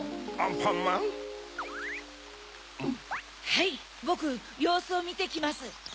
はいボクようすをみてきます。